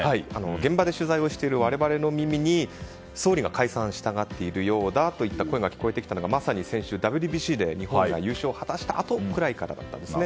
現場で取材をしている我々の耳に総理が解散したがっているようだといった声が聞こえてきたのがまさに先週、ＷＢＣで日本が優勝を果たしたあとくらいからだったんですね。